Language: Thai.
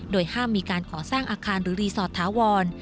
โดยห้ามมีการก่อสร้างอาคารหรือรีสอร์ทถาวร